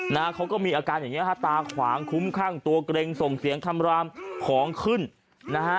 นะฮะเขาก็มีอาการอย่างเงี้ฮะตาขวางคุ้มข้างตัวเกร็งส่งเสียงคำรามของขึ้นนะฮะ